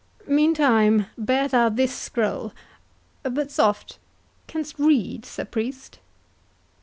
Meantime bear thou this scroll—But soft—canst read, Sir Priest?"